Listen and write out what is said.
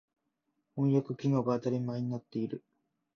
翻訳機能が当たり前になっている。